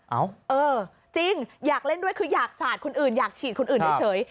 เออจริงอยากเล่นด้วยคืออยากสาดคนอื่นอยากฉีดคนอื่นเฉย